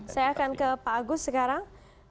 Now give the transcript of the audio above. saya akan ke pak agus sekarang